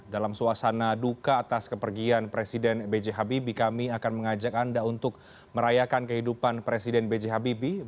dalam suasana duka atas kepergian presiden b j habibie kami akan mengajak anda untuk merayakan kehidupan presiden b j habibie